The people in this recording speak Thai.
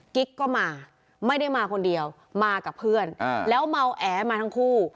กิ๊กก็มาไม่ได้มาคนเดียวมากับเพื่อนแล้วเมาแอมาทั้งคู่